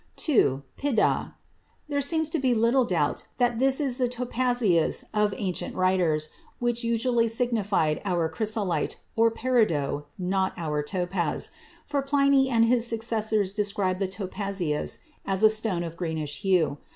II. Piṭdah. [פַּטְדָה.] There seems to be little doubt that this is the topazius of ancient writers, which usually signified our chrysolite, or peridot, not our topaz; for Pliny and his successors describe the topazius as a stone of a greenish hue.